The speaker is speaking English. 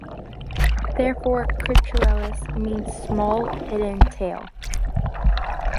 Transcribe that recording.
Therefore "Crypturellus" means small hidden tail.